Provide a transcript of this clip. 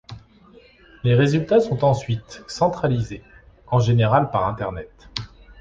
Les résultats sont ensuite centralisés, en général par Internet.